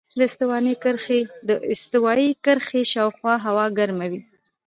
د استوایي کرښې شاوخوا هوا ګرمه وي.